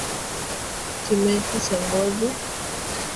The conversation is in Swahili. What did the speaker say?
Kimeta cha ngozi